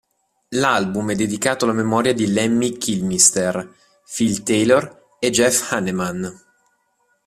L'album è dedicato alla memoria di Lemmy Kilmister, Phil Taylor e Jeff Hanneman.